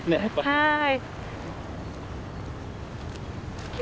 はい。